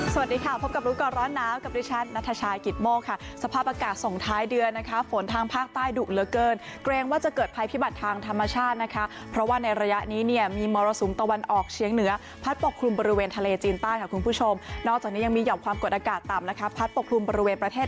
สวัสดีค่ะพบกับรู้ก่อนร้อนหนาวกับดิฉันนัทชายกิตโมกค่ะสภาพอากาศส่งท้ายเดือนนะคะฝนทางภาคใต้ดุเหลือเกินเกรงว่าจะเกิดภัยพิบัติทางธรรมชาตินะคะเพราะว่าในระยะนี้เนี่ยมีมรสุมตะวันออกเชียงเหนือพัดปกคลุมบริเวณทะเลจีนใต้ค่ะคุณผู้ชมนอกจากนี้ยังมีห่อมความกดอากาศต่ำนะคะพัดปกครุมบริเวณประเทศ